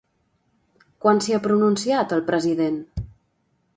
Quan s'hi ha pronunciat el president?